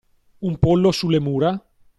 Un pollo sulle mura?!